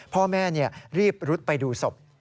พ่อแม่รีบรุดไปดูศพ